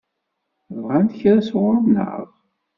Bɣant kra sɣur-neɣ?